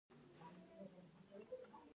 هغه د ځلانده هوا پر مهال د مینې خبرې وکړې.